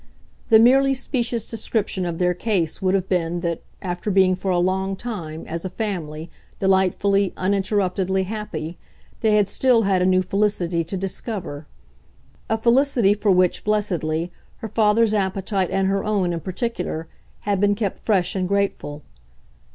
The merely specious description of their case would have been that, after being for a long time, as a family, delightfully, uninterruptedly happy, they had still had a new felicity to discover; a felicity for which, blessedly, her father's appetite and her own, in particular, had been kept fresh and grateful.